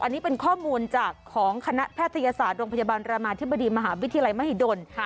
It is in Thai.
อันนี้เป็นข้อมูลจากของคณะแพทยศาสตร์โรงพยาบาลรามาธิบดีมหาวิทยาลัยมหิดล